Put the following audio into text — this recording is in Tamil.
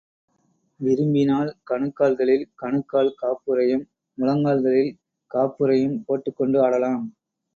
விரும்பினால், கணுக்கால்களில் கணுக்கால் காப்புறையும், முழங்கால்களில் காப்புறையும் போட்டுக்கொண்டு ஆடலாம்.